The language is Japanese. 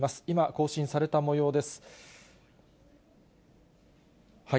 今、更新されたもようです。